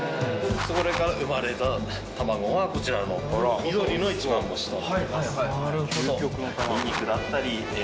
それから生まれた卵がこちらの緑の一番星と。